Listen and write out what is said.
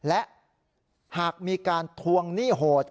และหากมีการทวงหนี้โหด